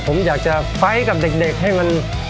ผมอยากจะไฟล์กับเด็กให้มัน